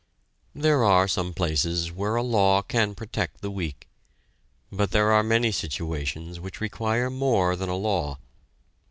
There are some places, where a law can protect the weak, but there are many situations which require more than a law.